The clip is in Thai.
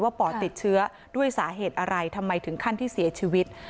ปอดติดเชื้อด้วยสาเหตุอะไรทำไมถึงขั้นที่เสียชีวิต